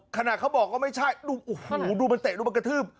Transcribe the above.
ขนาดเขาบอกว่าไม่ใช่ดูโอ้โหดูมันเตะดูมันกระทืบ